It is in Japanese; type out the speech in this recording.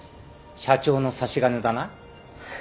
社長の差し金だな？